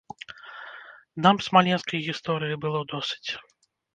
Нам смаленскай гісторыі было досыць.